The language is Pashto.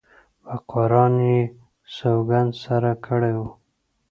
په قرآن یې سوګند سره کړی وو.